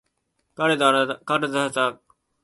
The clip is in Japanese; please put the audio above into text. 彼のあだ名は言い得て妙だよね。